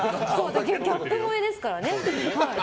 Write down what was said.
ギャップ萌えですからね。